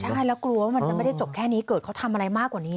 ใช่แล้วกลัวว่ามันจะไม่ได้จบแค่นี้เกิดเขาทำอะไรมากกว่านี้